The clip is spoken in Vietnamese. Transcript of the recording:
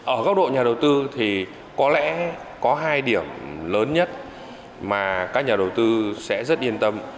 ở góc độ nhà đầu tư thì có lẽ có hai điểm lớn nhất mà các nhà đầu tư sẽ rất yên tâm